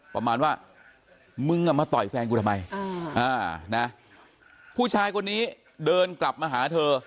ประมาณว่ามึงมาต่อยแฟนกูทำไมผู้ชายคนนี้เดินกลับมาหาเธอ